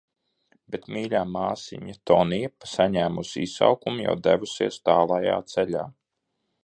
Bet mīļā māsiņa Tonija, saņēmusi izsaukumu, jau devusies tālajā ceļā.